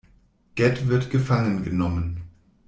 Ged wird gefangen genommen.